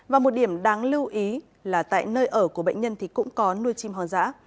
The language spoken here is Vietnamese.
và một điểm đáng lưu ý là tại nơi ở của bệnh nhân thì cũng có nuôi chim hoang dã